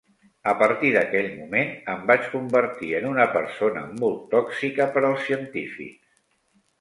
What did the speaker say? A partir d'aquell moment, em vaig convertir en una persona molt tòxica per als científics.